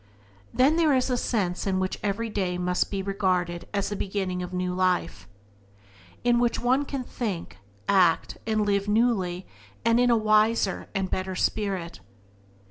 Then there is a sense in which every day may be regarded as the beginning of a new life, in which one can think, act, and live newly, and in a wiser and better spirit.